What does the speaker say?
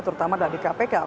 terutama dari kpk